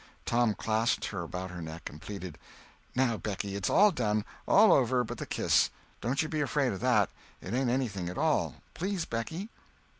Tom clasped her about her neck and pleaded: "Now, Becky, it's all done—all over but the kiss. Don't you be afraid of that—it ain't anything at all. Please, Becky."